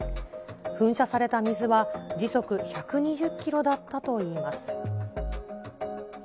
噴射された水は、時速１２０キロだったといいます。